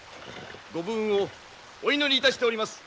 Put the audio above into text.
ご武運をお祈りいたしております。